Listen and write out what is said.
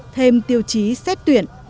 thêm tiêu chí xét tuyển